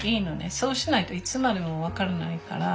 そうしないといつまでも分からないから。